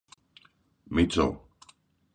Μήτσο!